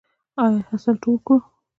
آیا حاصل ټول کړو؟